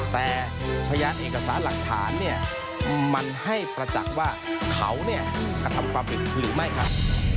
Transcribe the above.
แต่พยานเอกสารหลักฐานเนี่ยมันให้ประจักษ์ว่าเขาเนี่ยกระทำความผิดหรือไม่ครับ